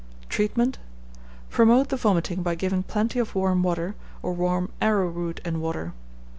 Treatment. Promote the vomiting by giving plenty of warm water, or warm arrowroot and water.